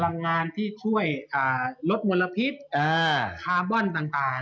พลังงานที่ช่วยลดมลพิษคาร์บอนต่าง